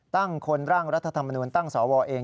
ตั้งคนร่างรัฐธรรมนูลตั้งสวเอง